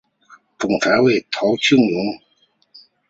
总裁为陶庆荣。